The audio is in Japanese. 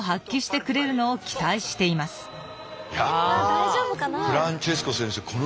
大丈夫かな？